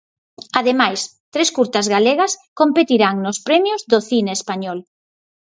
Ademais, tres curtas galegas competirán nos premios do cine español.